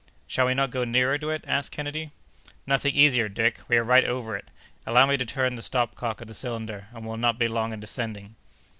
"Shall we not go nearer to it?" asked Kennedy. "Nothing easier, Dick! We are right over it. Allow me to turn the stopcock of the cylinder, and we'll not be long in descending."